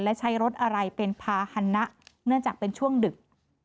และใช้รถอะไรเป็นภาษณะเนื่องจากเป็นช่วงดึก